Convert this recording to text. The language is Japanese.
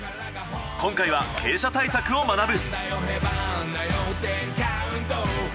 今回は傾斜対策を学ぶ。